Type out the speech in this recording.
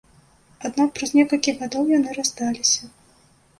Аднак праз некалькі гадоў яны рассталіся.